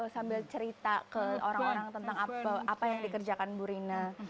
sambil cerita ke orang orang tentang apa yang dikerjakan bu rina